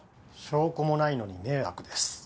証拠もないのに迷惑です。